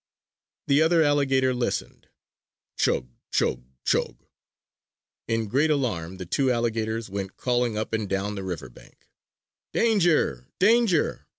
The other alligator listened: Chug! Chug! Chug! In great alarm the two alligators went calling up and down the river bank: "Danger! Danger!"